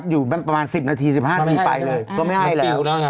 อยู่ประมาณ๑๐นาที๑๕นาทีไปเลยก็ไม่ให้แล้ว